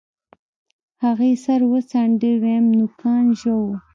هغې سر وڅنډه ويم نوکان ژوو.